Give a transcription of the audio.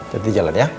jadi jalan ya